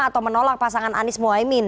atau menolak pasangan anies mohaimin